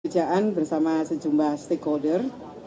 pekerjaan bersama sejumlah stakeholder